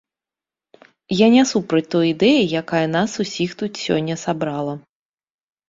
Я не супраць той ідэі, якая нас усіх тут сёння сабрала.